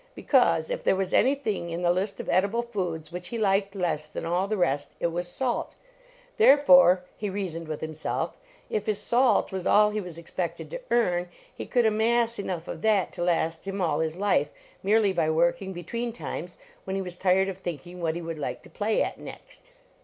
Because, if there was anything in the list of edible foods which he liked less than all the rest, it was salt. Therefore, he reasoned with him self, if his salt was all he was expected to earn, he could amass enough of that to last him all his life, merely by working between times, when he was tired of thinking what he would like to play at next.